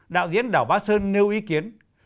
đạo diễn đảo bá sơn nêu ý kiến